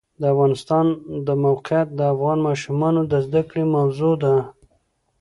د افغانستان د موقعیت د افغان ماشومانو د زده کړې موضوع ده.